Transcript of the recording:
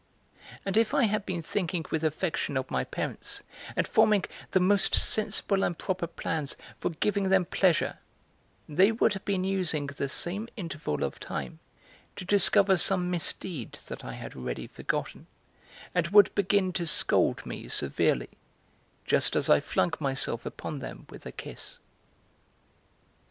And if I had been thinking with affection of my parents, and forming the most sensible and proper plans for giving them pleasure, they would have been using the same interval of time to discover some misdeed that I had already forgotten, and would begin to scold me severely, just as I flung myself upon them with a kiss.